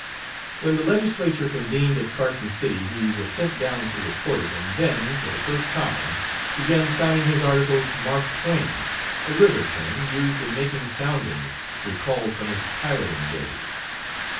When the Legislature convened at Carson City he was sent down to report it, and then, for the first time, began signing his articles "Mark Twain," a river term, used in making soundings, recalled from his piloting days.